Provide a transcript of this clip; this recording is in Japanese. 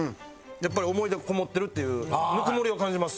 やっぱり思い出がこもってるっていうぬくもりを感じます。